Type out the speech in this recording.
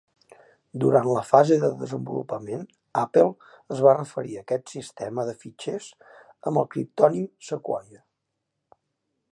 Durant la fase de desenvolupament, Apple es va referir a aquest sistema de fitxers amb el criptònim "Sequoia".